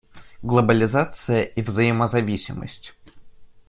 Глобализация и взаимозависимость.